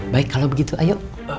baik kalau begitu ayo